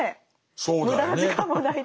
そうだよね。